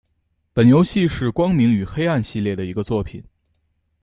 本游戏是光明与黑暗系列的一个作品。